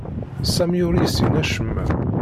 Sami ur yessin acemma.